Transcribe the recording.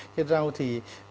cái rau thì